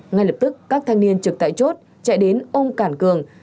ngay lập tức các thanh niên trực tại chốt chạy đến ông cản cường